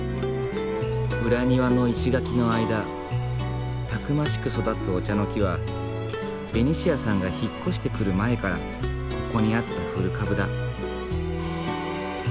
裏庭の石垣の間たくましく育つお茶の木はベニシアさんが引っ越してくる前からここにあった古株だ。